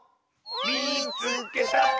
「みいつけた！」。